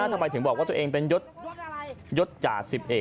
ทำไมถึงบอกว่าตัวเองเป็นยศจ่าสิบเอก